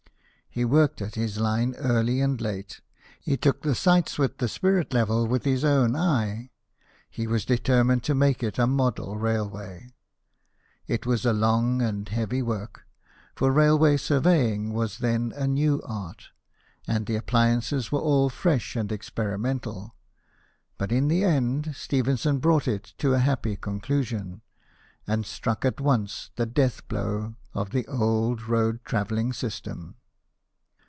He worked at his line early and late ; he took the sights with the spirit level with his own eye ; he was determined to make it a model railway. It was a long and heavy work, for railway sur veying was then a new art, and the appliances were all fresh and experimental ; but in the end, Stephenson brought it to a happy con clusion, and struck at once the death blow of the old road travelling system.